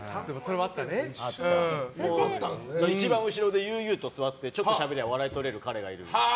一番後ろで悠々と座ってちょっとしゃべりゃ笑いが取れる彼がいて。